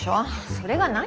それが何？